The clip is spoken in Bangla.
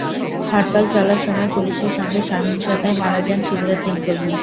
হরতাল চলার সময় পুলিশের সঙ্গে সহিংসতায় মারা যান শিবিরের তিন কর্মী।